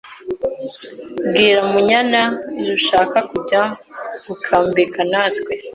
Bwira Munyane zushaka kujya gukambika natwe.